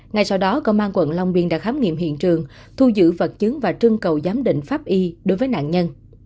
ngay sau đó công an quận long biên đã khám nghiệm hiện trường thu giữ vật chứng và trưng cầu giám định pháp y đối với nạn nhân